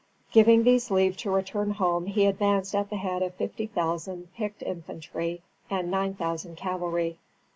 Giving these leave to return home he advanced at the head of fifty thousand picked infantry and nine thousand cavalry.